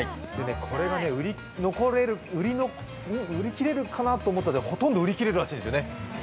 これが売り切れるかな？と思ったんですが、ほとんど売り切れるらしいですね。